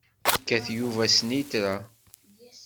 Yekkat Yuba snitra.